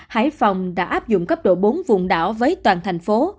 hải phòng đã áp dụng cấp độ bốn vùng đảo với toàn thành phố